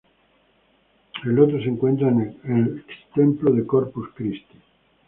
El otro se encuentra en el ex templo de Corpus Christi.